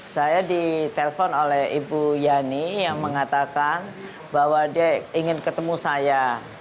saya ditelepon oleh ibu yani yang mengatakan bahwa dia ingin ketemu saya